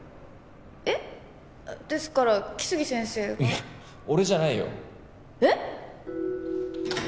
えっ？ですから来生先生がいや俺じゃないよえっ！？